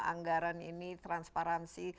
anggaran ini transparansi